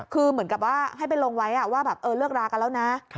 คือเหมือนกับว่าให้ไปลงไว้ว่าแบบเลิกรากันแล้วนะ